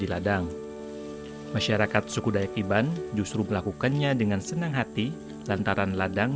di ladang masyarakat suku dayak iban justru melakukannya dengan senang hati lantaran ladang